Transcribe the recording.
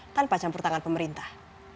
tanpa campur tangan pemerintah